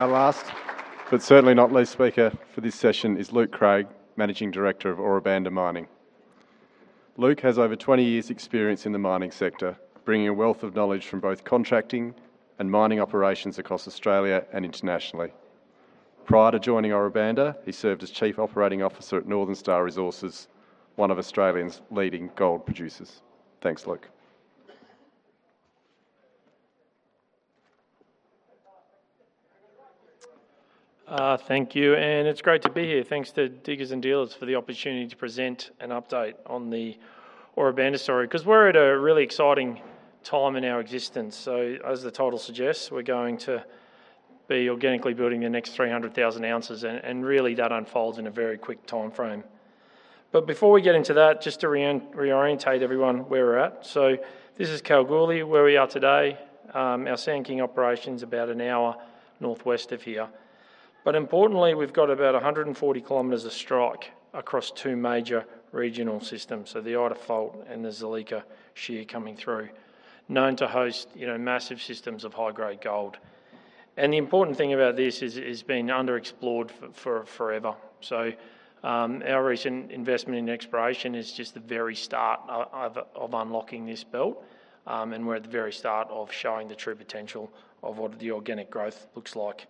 Our last, but certainly not least speaker for this session is Luke Creagh, Managing Director of Ora Banda Mining. Luke has over 20 years experience in the mining sector, bringing a wealth of knowledge from both contracting and mining operations across Australia and internationally. Prior to joining Ora Banda, he served as Chief Operating Officer at Northern Star Resources, one of Australia's leading gold producers. Thanks, Luke. Thank you. It's great to be here. Thanks to Diggers & Dealers for the opportunity to present an update on the Ora Banda story. We're at a really exciting time in our existence. As the title suggests, we're going to be organically building the next 300,000 oz, really that unfolds in a very quick timeframe. Before we get into that, just to reorientate everyone where we're at. This is Kalgoorlie, where we are today. Our Sand King operation's about an hour northwest of here. Importantly, we've got about 140 km of strike across two major regional systems, the Ida Fault and the Zuleika Shear coming through. Known to host massive systems of high-grade gold. The important thing about this is it's been underexplored for forever. Our recent investment in exploration is just the very start of unlocking this belt. We're at the very start of showing the true potential of what the organic growth looks like.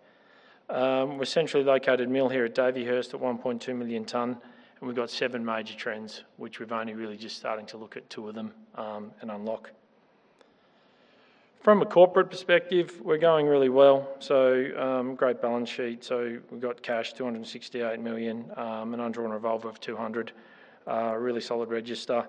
We're a centrally-located mill here at Davyhurst at 1.2 million tons. We've got seven major trends, which we've only really just starting to look at two of them, and unlock. From a corporate perspective, we're going really well. Great balance sheet. We've got cash, 268 million, an undrawn revolver of 200. A really solid register.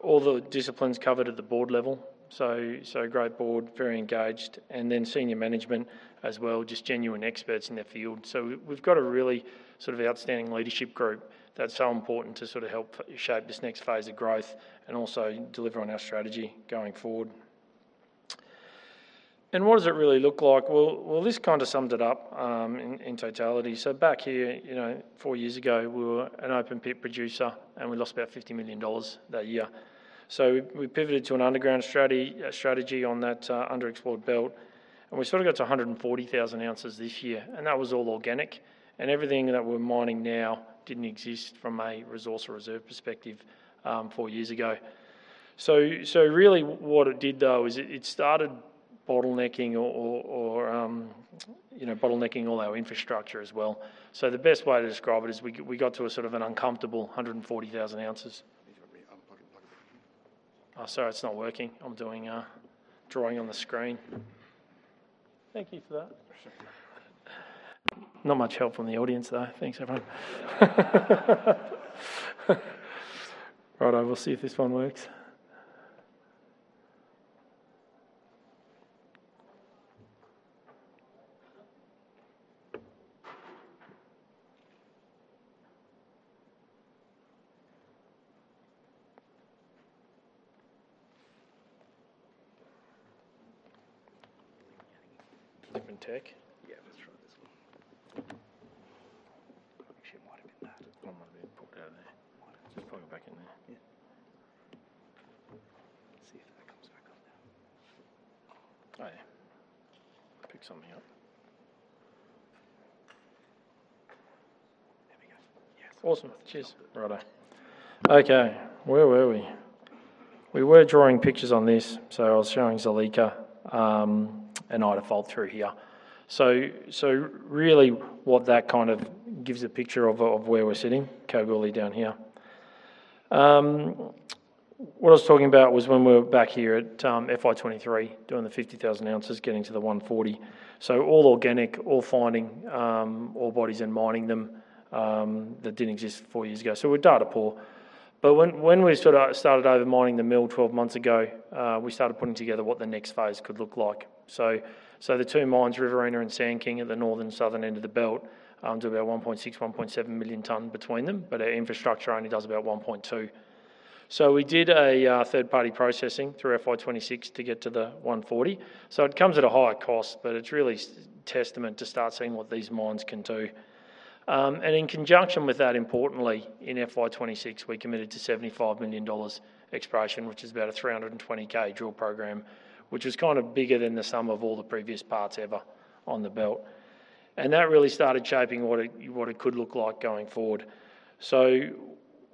All the disciplines covered at the board level. A great board, very engaged. Then senior management as well, just genuine experts in their field. We've got a really outstanding leadership group that's so important to help shape this next phase of growth and also deliver on our strategy going forward. What does it really look like? Well, this kind of summed it up in totality. Back here, four years ago, we were an open pit producer. We lost about 50 million dollars that year. We pivoted to an underground strategy on that underexplored belt. We sort of got to 140,000 oz this year. That was all organic. Everything that we're mining now didn't exist from a resource or reserve perspective, four years ago. Really what it did though, is it started bottlenecking all our infrastructure as well. The best way to describe it is we got to a sort of an uncomfortable 140,000 oz. You got to be unplugged. Oh, sorry, it's not working. I'm doing a drawing on the screen. Thank you for that. Not much help from the audience though. Thanks, everyone. We'll see if this one works. Different tech? Let's try this one. Actually, it might have been that. That one might have been popped out there. It might have. Plug it back in there. See if that comes back up now. Pick something up. There we go. Awesome. Cheers. Where were we? We were drawing pictures on this, so I was showing Zuleika and Ida Fault through here. Really what that kind of gives a picture of where we're sitting, Kalgoorlie down here. What I was talking about was when we were back here at FY 2023 doing the 50,000 oz, getting to the 140,000 oz. All organic, all finding, all bodies and mining them, that didn't exist four years ago. We're data poor. When we started over mining the mill 12 months ago, we started putting together what the next phase could look like. The two mines, Riverina and Sand King at the northern southern end of the belt, do about 1.6 million-1.7 million tons between them, but our infrastructure only does about 1.2 million tons. We did a third-party processing through FY 2026 to get to the 140,000 oz. It comes at a higher cost, but it's really testament to start seeing what these mines can do. In conjunction with that, importantly, in FY 2026, we committed to AUD 75 million exploration, which is about a 320 km drill program, which is kind of bigger than the sum of all the previous parts ever on the belt. That really started shaping what it could look like going forward.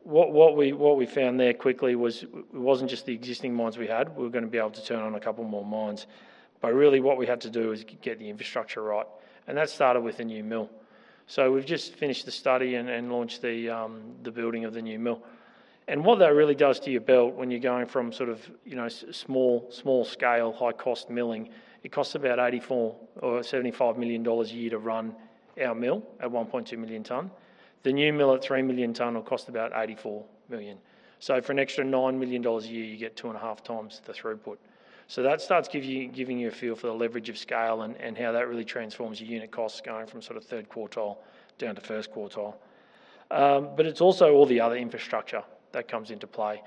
What we found there quickly was it wasn't just the existing mines we had. We were going to be able to turn on a couple more mines. Really what we had to do is get the infrastructure right, and that started with a new mill. We've just finished the study and launched the building of the new mill. What that really does to your belt when you're going from small-scale, high-cost milling, it costs about 75 million dollars a year to run our mill at 1.2 million tons. The new mill at 3 million tons will cost about 84 million. For an extra 9 million dollars a year, you get 2.5x the throughput. That starts giving you a feel for the leverage of scale and how that really transforms your unit costs going from third quartile down to first quartile. It's also all the other infrastructure that comes into play.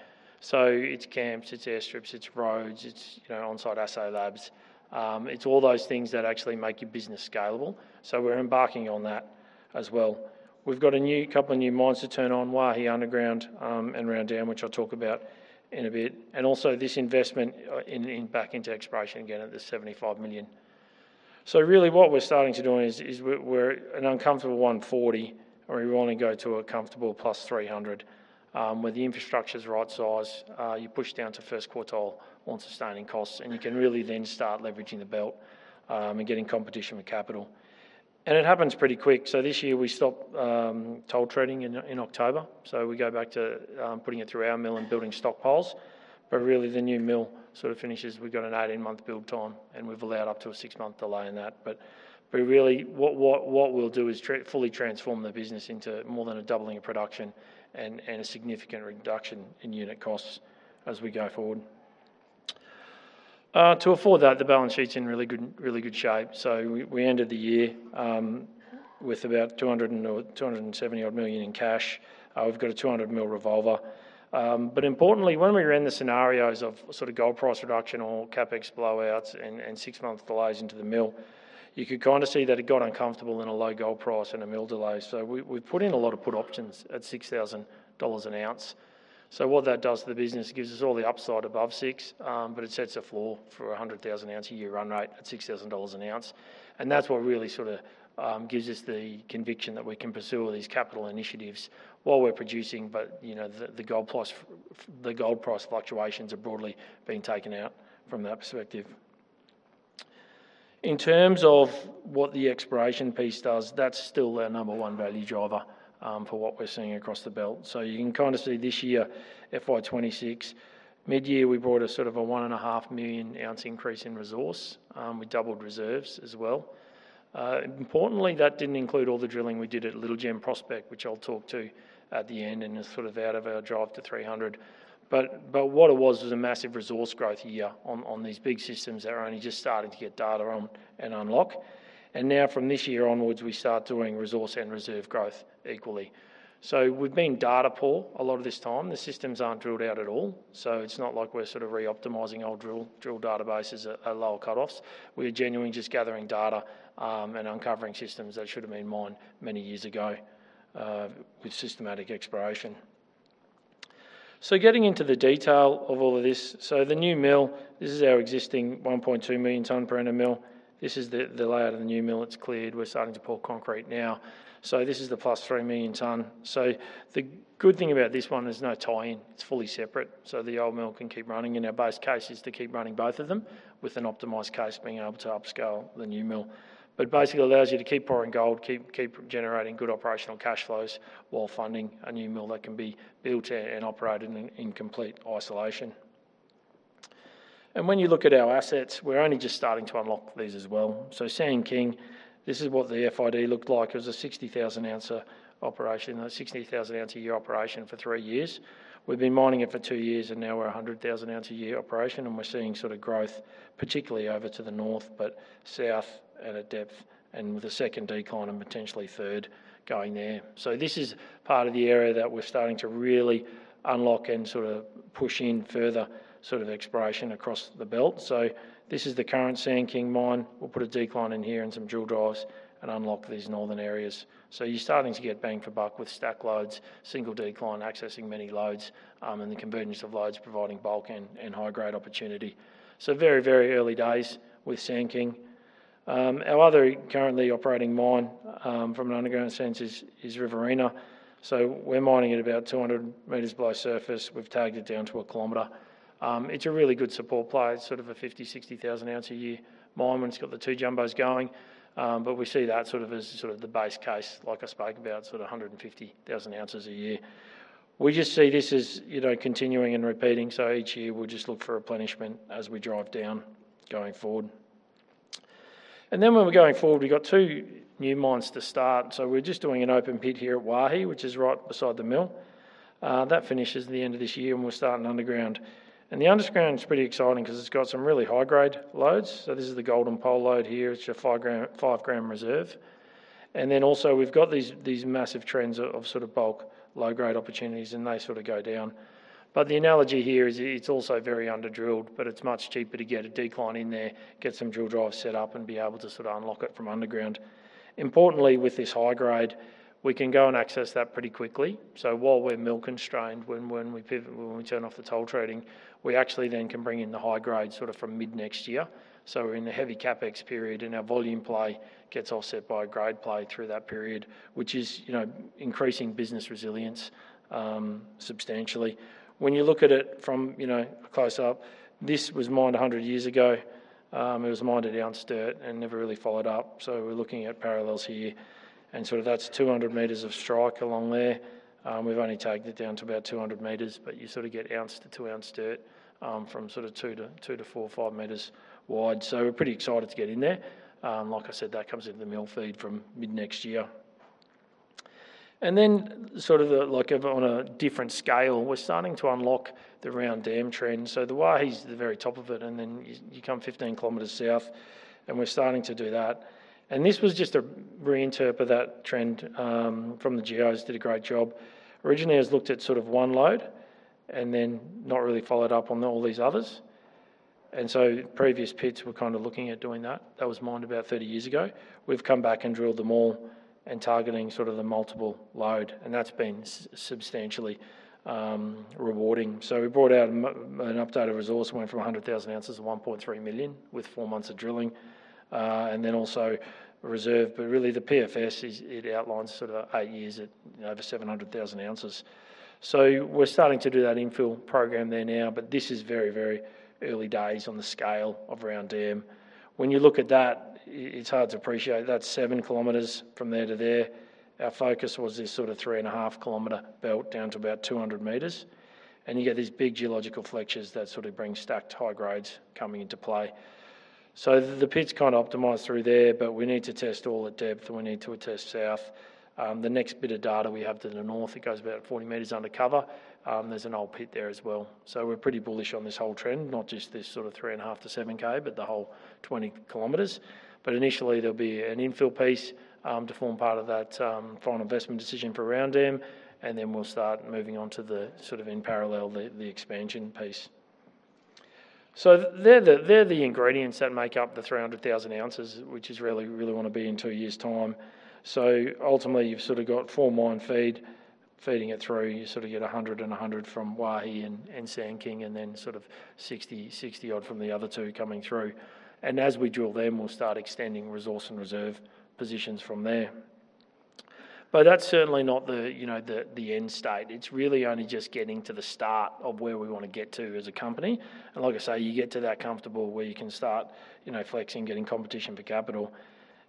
It's camps, it's airstrips, it's roads, it's onsite assay labs. It's all those things that actually make your business scalable. We're embarking on that as well. We've got a couple of new mines to turn on, Waihi underground and Round Dam, which I'll talk about in a bit. This investment back into exploration again at the 75 million. Really what we're starting to do is we're an uncomfortable 140,000 oz, or we want to go to a comfortable +300,000 oz where the infrastructure's right-size. You push down to first quartile on sustaining costs, you can really then start leveraging the belt and getting competition with capital. It happens pretty quick. This year we stopped toll treating in October. We go back to putting it through our mill and building stockpiles. The new mill sort of finishes. We've got an 18-month build time, and we've allowed up to a six-month delay in that. Really, what we'll do is fully transform the business into more than a doubling of production and a significant reduction in unit costs as we go forward. To afford that, the balance sheet's in really good shape. We ended the year with about 270 odd million in cash. We've got an 200 million revolver. Importantly, when we ran the scenarios of sort of gold price reduction or CapEx blowouts and six-month delays into the mill, you could kind of see that it got uncomfortable in a low gold price and a mill delay. We've put in a lot of put options at 6,000 dollars an ounce. What that does to the business, it gives us all the upside above 6,000 an ounce, but it sets a floor for 100,000 oz a year run rate at 6,000 dollars an ounce. That's what really sort of gives us the conviction that we can pursue all these capital initiatives while we're producing. The gold price fluctuations have broadly been taken out from that perspective. In terms of what the exploration piece does, that's still our number one value driver for what we're seeing across the belt. You can kind of see this year, FY 2026. Midyear, we brought a sort of a 1.5 million ounce increase in resource. We doubled reserves as well. Importantly, that didn't include all the drilling we did at Little Gem Prospect, which I'll talk to at the end and is sort of out of our drive to 300,000 oz. What it was is a massive resource growth year on these big systems that are only just starting to get data on and unlock. From this year onwards, we start doing resource and reserve growth equally. We've been data poor a lot of this time. The systems aren't drilled out at all, it's not like we're sort of re-optimizing old drill databases at lower cutoffs. We are genuinely just gathering data and uncovering systems that should have been mined many years ago with systematic exploration. Getting into the detail of all of this. The new mill, this is our existing 1.2 million ton per annum mill. This is the layout of the new mill. It's cleared. We're starting to pour concrete now. This is the +3 million ton. The good thing about this one, there's no tie-in. It's fully separate, the old mill can keep running, our base case is to keep running both of them with an optimized case being able to upscale the new mill. Basically allows you to keep pouring gold, keep generating good operational cash flows while funding a new mill that can be built and operated in complete isolation. When you look at our assets, we're only just starting to unlock these as well. Sand King, this is what the FID looked like. It was a 60,000-oz a year operation for three years. We've been mining it for two years, and now we're a 100,000-oz a year operation, and we're seeing sort of growth, particularly over to the north, but south at a depth and with a second decline and potentially third going there. This is part of the area that we're starting to really unlock and sort of push in further sort of exploration across the belt. This is the current Sand King mine. We'll put a decline in here and some drill drives and unlock these northern areas. You're starting to get bang for buck with stack lodes, single decline, accessing many lodes, and the convergence of lodes providing bulk and high-grade opportunity. Very early days with Sand King. Our other currently operating mine, from an underground sense is Riverina. We're mining at about 200 m below surface. We've tagged it down to 1 km. It's a really good support play. It's sort of a 50,000-oz, 60,000-oz a year mine when it's got the two jumbos going. We see that sort of as sort of the base case, like I spoke about, sort of 150,000 oz a year. We just see this as continuing and repeating. Each year, we'll just look for replenishment as we drive down going forward. When we're going forward, we've got two new mines to start. We're just doing an open pit here at Waihi, which is right beside the mill. That finishes at the end of this year, and we're starting underground. The underground is pretty exciting because it's got some really high-grade lodes. This is the Golden Pole lode here. It's your 5-g reserve. Also we've got these massive trends of sort of bulk low-grade opportunities, and they sort of go down. The analogy here is it's also very under-drilled, but it's much cheaper to get a decline in there, get some drill drives set up, and be able to sort of unlock it from underground. Importantly, with this high grade, we can go and access that pretty quickly. While we're mill-constrained, when we pivot, when we turn off the toll treating, we actually then can bring in the high grade sort of from mid next year. We're in a heavy CapEx period, and our volume play gets offset by a grade play through that period, which is increasing business resilience substantially. When you look at it from close up, this was mined 100 years ago. It was mined at ounce dirt and never really followed up. We're looking at parallels here, and sort of that's 200 m of strike along there. We've only tagged it down to about 200 m, but you sort of get 1-oz to 2-oz dirt from sort of 2 m to 4 m, 5 m wide. We're pretty excited to get in there. Like I said, that comes into the mill feed from mid next year. On a different scale, we are starting to unlock the Round Dam trend. Waihi is at the very top of it, and then you come 15 km south, and we are starting to do that. This was just a reinterpret of that trend from the geos, did a great job. Originally, it was looked at one lode and then not really followed up on all these others. Previous pits were kind of looking at doing that. That was mined about 30 years ago. We have come back and drilled them all and targeting the multiple lode, and that has been substantially rewarding. We brought out an updated resource, went from 100,000 oz to 1.3 million ounces with four months of drilling, and then also reserve. Really the PFS, it outlines eight years at over 700,000 oz. We are starting to do that infill program there now, but this is very, very early days on the scale of Round Dam. When you look at that, it is hard to appreciate that is 7 km from there to there. Our focus was this 3.5 km belt down to about 200 m. You get these big geological flexures that bring stacked high grades coming into play. The pit is kind of optimized through there, but we need to test all at depth and we need to test south. The next bit of data we have to the north, it goes about 40 m under cover. There is an old pit there as well. We are pretty bullish on this whole trend, not just this 3.5 km to 7 km, but the whole 20 km. Initially there will be an infill piece to form part of that final investment decision for Round Dam, then we will start moving on to the in parallel, the expansion piece. They are the ingredients that make up the 300,000 oz, which is really want to be in two years' time. Ultimately, you have got four mine feed, feeding it through. You get 100,000 oz and 100,000 oz from Waihi and Sand King, then 60,000 odd oz from the other two coming through. As we drill them, we will start extending resource and reserve positions from there. That is certainly not the end state. It is really only just getting to the start of where we want to get to as a company. Like I say, you get to that comfortable where you can start flexing, getting competition for capital.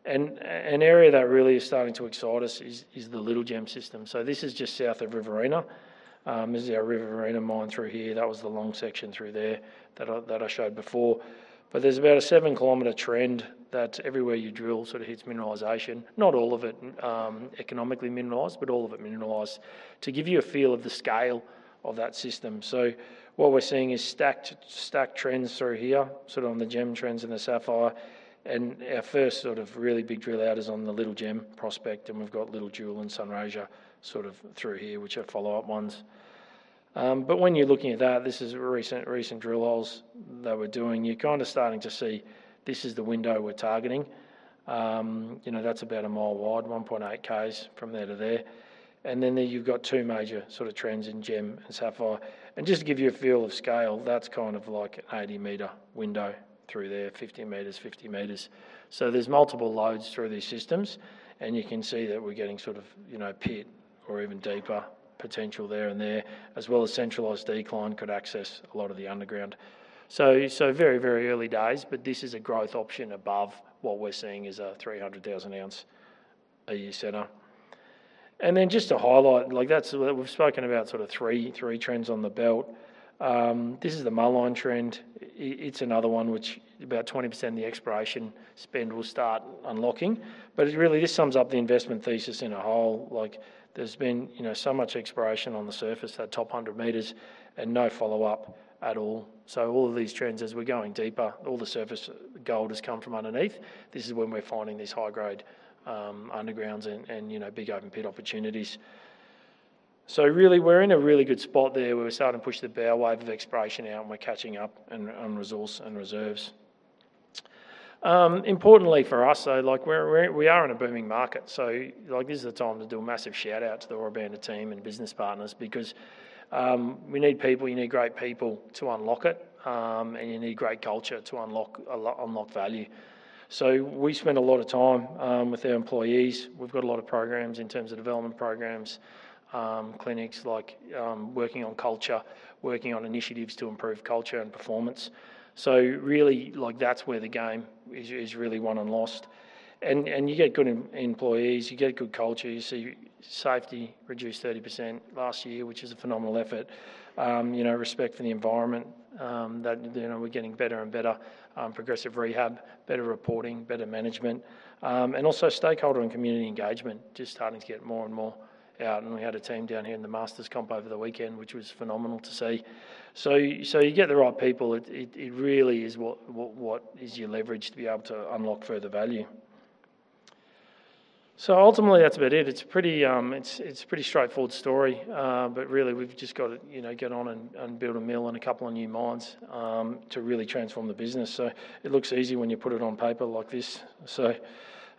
An area that really is starting to excite us is the Little Gem system. This is just south of Riverina. This is our Riverina mine through here. That was the long section through there that I showed before. There is about a 7-km trend that everywhere you drill hits mineralization. Not all of it economically mineralized, but all of it mineralized. To give you a feel of the scale of that system. What we are seeing is stacked trends through here, on the Gem trends and the Sapphire. Our first really big drill out is on the Little Gem prospect, and we have got Little Gem and Sunraysia through here, which are follow-up ones. When you are looking at that, this is recent drill holes that we are doing. You are kind of starting to see this is the window we are targeting. That's about a mile wide, 1.8 km from there to there. You've got two major sort of trends in Gem and Sapphire. Just to give you a feel of scale, that's kind of like 80-m window through there, 50 m, 50 m. There's multiple lodes through these systems, and you can see that we're getting sort of pit or even deeper potential there and there, as well as centralized decline could access a lot of the underground. Very, very early days, but this is a growth option above what we're seeing as a 300,000-oz-a-year center. Just to highlight, we've spoken about sort of three trends on the belt. This is the Mulline trend. It's another one which about 20% of the exploration spend will start unlocking. Really, this sums up the investment thesis in a whole. There's been so much exploration on the surface, that top 100 m, no follow-up at all. All of these trends, as we're going deeper, all the surface gold has come from underneath. This is when we're finding these high-grade undergrounds and big open pit opportunities. Really, we're in a really good spot there where we're starting to push the bow wave of exploration out and we're catching up on resource and reserves. Importantly for us, though, we are in a booming market, this is the time to do a massive shout-out to the Ora Banda team and business partners, because we need people, you need great people to unlock it, and you need great culture to unlock value. We spend a lot of time with our employees. We've got a lot of programs in terms of development programs, clinics like working on culture, working on initiatives to improve culture and performance. Really, that's where the game is really won and lost. You get good employees, you get good culture. You see injury frequency, reduced 30% last year, which is a phenomenal effort. Respect for the environment, that we're getting better and better. Progressive rehab, better reporting, better management. Also stakeholder and community engagement just starting to get more and more out. We had a team down here in the Masters Camp over the weekend, which was phenomenal to see. You get the right people, it really is what is your leverage to be able to unlock further value. Ultimately, that's about it. It's a pretty straightforward story. Really, we've just got to get on and build a mill and a couple of new mines to really transform the business. It looks easy when you put it on paper like this.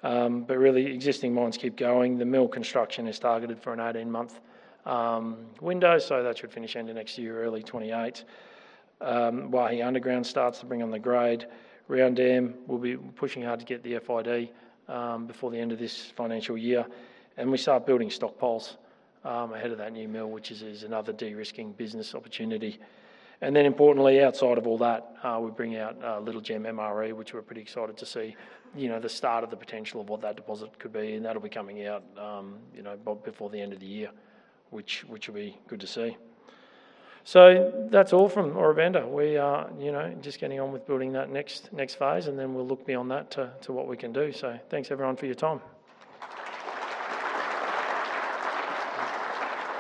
Really, existing mines keep going. The mill construction is targeted for an 18-month window, that should finish end of next year, early 2028. Waihi Underground starts to bring on the grade. Round Dam, we'll be pushing hard to get the FID before the end of this financial year. We start building stockpiles ahead of that new mill, which is another de-risking business opportunity. Importantly, outside of all that, we bring out Little Gem MRE, which we're pretty excited to see the start of the potential of what that deposit could be. That'll be coming out before the end of the year, which will be good to see. That's all from Ora Banda. We are just getting on with building that next phase, and then we'll look beyond that to what we can do. Thanks, everyone, for your time.